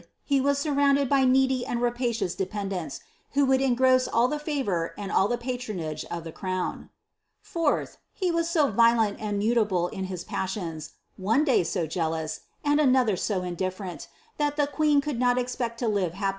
He was surrounded by needy and rapacious ilependents, who wouk engross all the favour, and all the patronage of ihe crown. 4th. H< was so violent and mutable in his passions; one day so jealous, aM aiKiilier so indifferent, thai the queen could not eipect to live ha{^] ' ^daej Papeit.